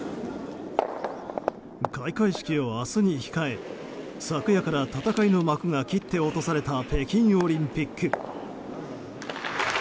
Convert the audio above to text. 開会式を明日に控え、昨夜から戦いの幕が切って落とされた北京オリンピック。